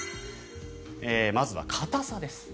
まずは硬さです。